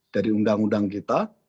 dari undang undang kita